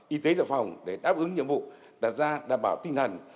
y tế dự phòng để đáp ứng nhiệm vụ đặt ra đảm bảo tinh thần